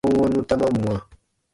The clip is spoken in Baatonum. Wɔnwɔnnu ta man mwa.